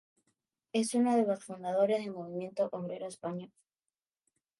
Es uno de los fundadores del Movimiento obrero Español.